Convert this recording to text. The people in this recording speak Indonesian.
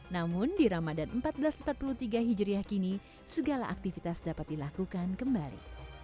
namun di ramadan seribu empat ratus empat puluh tiga hijriah kini segala aktivitas dapat dilakukan kembali